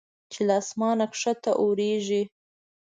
چې له اسمانه کښته اوریږي